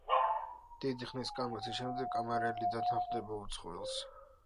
დიდი ხნის კამათის შემდეგ კამარელი დათანხმდება უცხოელს.